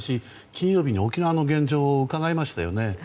金曜日に沖縄の現状を伺いましたよね。